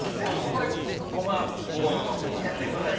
◆これ、ごま油です。